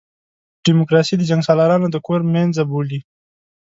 ډیموکراسي د جنګسالارانو د کور مېنځه بولي.